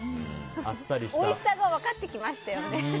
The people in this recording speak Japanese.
おいしさが分かってきましたよね。